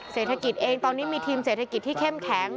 เศรษฐกิจเองตอนนี้มีทีมเศรษฐกิจที่เข้มแข็ง